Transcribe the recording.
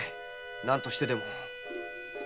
何としてでも。